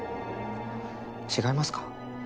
違いますか？